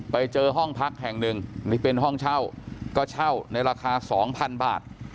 ไปเจอห้องพักแห่งหนึ่งนี่เป็นห้องเช่าก็เช่าในราคา๒๐๐๐บาท